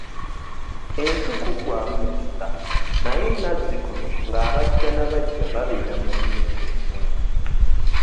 Ensi kuggwamu mikisa naye nazzikuno ng'abaggya n'abaggya babeera mu nnyumba emu.